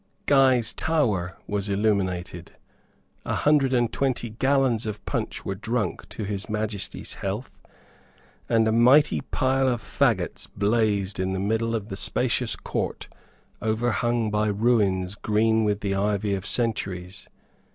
Guy's Tower was illuminated. A hundred and twenty gallons of punch were drunk to His Majesty's health; and a mighty pile of faggots blazed in the middle of the spacious court overhung by ruins green with the ivy of centuries.